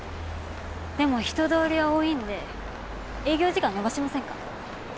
でも人通りは多いんで営業時間延ばしませんか？